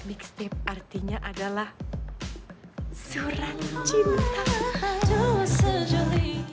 big step artinya adalah seorang cinta